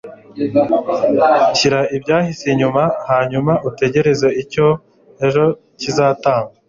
shyira ibyahise inyuma hanyuma utegereze icyo ejo kizatanga